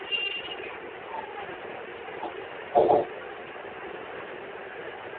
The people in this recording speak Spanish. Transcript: Fundó el periódico "El Castell" y la revista "Cataluña Marítima".